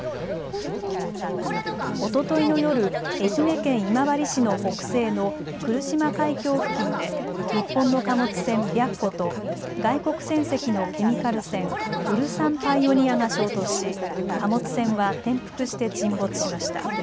おとといの夜、愛媛県今治市の北西の来島海峡付近で日本の貨物船、白虎と外国船籍のケミカル船、ＵＬＳＡＮＰＩＯＮＥＥＲが衝突し、貨物船は転覆して沈没しました。